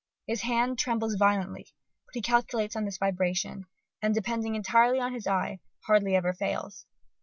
His hand trembles violently, but he calculates on this vibration, and, depending entirely on his eye, hardly ever fails.